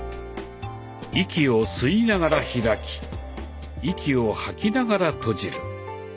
息を吸いながら開き息を吐きながら閉じる。